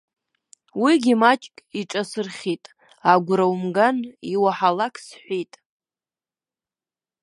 Уигьы маҷк иҿасырхьит, агәра умган иуаҳалак, сҳәеит.